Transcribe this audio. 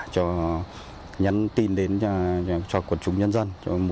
cho nhắn tin đến cho quần chúng nhân dân